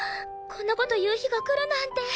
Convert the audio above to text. こんな事言う日が来るなんて。